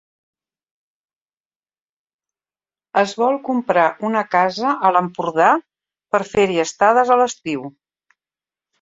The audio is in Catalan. Es vol comprar una casa a l'Empordà per fer-hi estades a l'estiu.